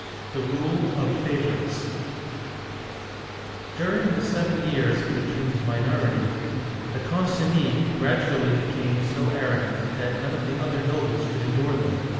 THE RULE OF FAVORITES DURING the seven years of the king's minority, the Concinis gradually became so arrogant that none of the other nobles could endure them.